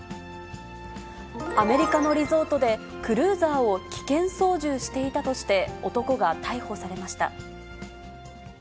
アメリカのリゾートで、クルーザーを危険操縦していたとして、男が逮捕されました。